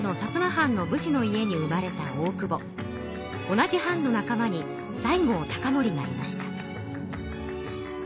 同じ藩の仲間に西郷隆盛がいました。